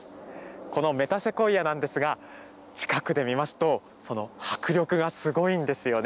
このメタセコイアなんですが、近くで見ますと、その迫力がすごいんですよね。